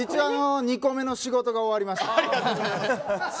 一応２個目の仕事が終わりました。